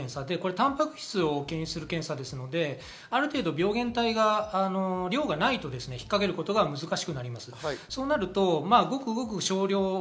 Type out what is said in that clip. タンパク質を検出する検査なので、ある程度、病原体が量がないと引っかけることは難しいです。